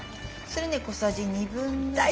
それね小さじ２分の１。